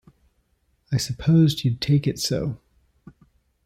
I supposed you'd take it so.